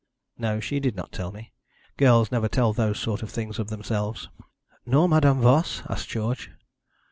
'No, she did not tell me. Girls never tell those sort of things of themselves.' 'Nor Madame Voss?' asked George.